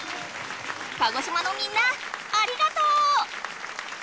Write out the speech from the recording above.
鹿児島のみんなありがとう！